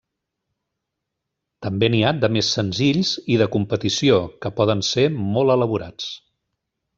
També n'hi ha de més senzills i de competició, que poden ser molt elaborats.